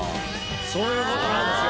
そういう事なんですよ。